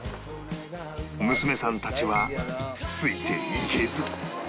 娘さんたちはついていけず